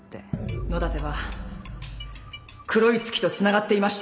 野立は黒い月とつながっていました